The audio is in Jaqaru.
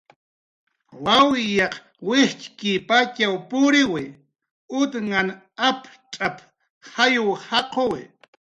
"Wawyaq wijtxkipatxaw puriw utan aptz'ap"" jayw jaquwi"